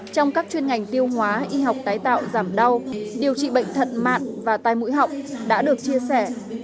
trong các chuyên ngành tiêu hóa y học tái tạo giảm đau điều trị bệnh thận mạn và tai mũi họng đã được chia sẻ